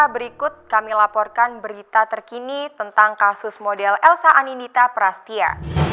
berikut kami laporkan berita terkini tentang kasus model elsa anindita prastya